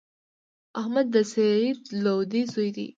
احمد د سعید لودی زوی دﺉ.